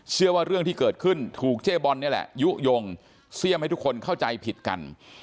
เรื่องที่เกิดขึ้นถูกเจ๊บอลนี่แหละยุโยงเสี่ยมให้ทุกคนเข้าใจผิดกัน